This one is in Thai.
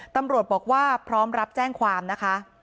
ตำรวจบอกว่าพร้อมรับแจ้งความนะคะ